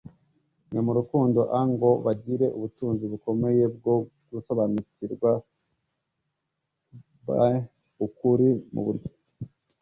mwe mu rukundo a ngo bagire ubutunzi bukomeye bwo gusobanukirwa b ukuri mu buryo